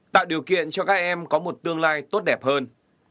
tạo điều kiện cho các em có một tương lai tốt đẹp hơn